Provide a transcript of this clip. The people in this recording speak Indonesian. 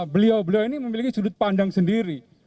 beliau beliau ini memiliki sudut pandang sendiri